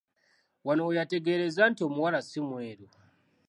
Wano we yategeerezza nti omuwala ssi mweru.